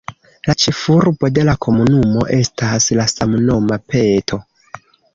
La ĉefurbo de la komunumo estas la samnoma Peto.